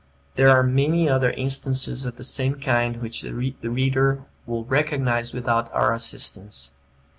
There are many other instances of the same kind which the reader will recognize without our assistance.